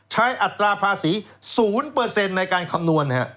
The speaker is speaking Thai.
อัตราภาษี๐ในการคำนวณ